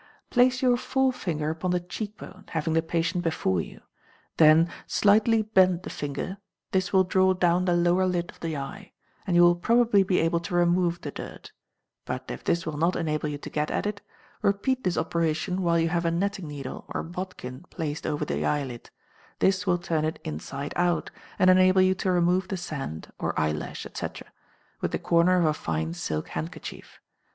Place your forefinger upon the cheek bone, having the patient before you; then slightly bend the finger, this will draw down the lower lid of the eye, and you will probably be able to remove the dirt; but if this will not enable you to get at it, repeat this operation while you have a netting needle or bodkin placed over the eyelid; this will turn it inside out, and enable you to remove the sand, or eyelash, &c., with the corner of a fine silk handkerchief.